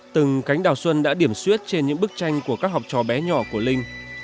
từng cánh đào xuân đã điểm suyết trên những bức tranh của các học trò bé nhỏ của linh